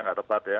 nggak tepat ya